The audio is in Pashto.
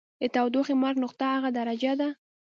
د تودوخې مرګ نقطه هغه درجه ده.